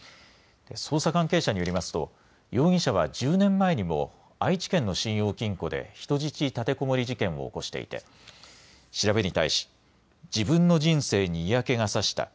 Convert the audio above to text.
捜査関係者によりますと容疑者は１０年前にも愛知県の信用金庫で人質立てこもり事件を起こしていて調べに対し自分の人生に嫌気がさした。